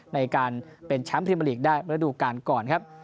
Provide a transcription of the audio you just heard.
ในการเป็นช้ำพิมพาลีกได้ระดูกการก่อนครับ